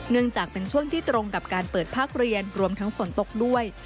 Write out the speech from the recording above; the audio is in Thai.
จากเป็นช่วงที่ตรงกับการเปิดภาคเรียนรวมทั้งฝนตกด้วย